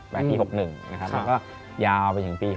ปี๖๑แล้วก็ยาวไปถึงปี๖๒